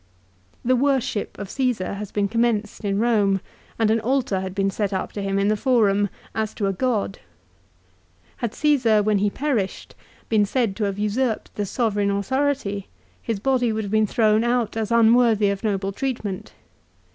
The worship of Csesar has been commenced in Eome, and an altar had been set up to him in the Forum as to a god. Had Csesar, when he perished, been said to have usurped the sovereign authority, his body would have been thrown out as unworthy of noble treatment.